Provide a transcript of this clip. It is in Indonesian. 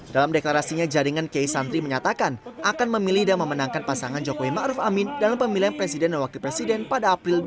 dalam deklarasinya jaringan kiai santri menyatakan akan memilih dan memenangkan pasangan jokowi ⁇ maruf ⁇ amin dalam pemilihan presiden dan wakil presiden pada april dua ribu sembilan belas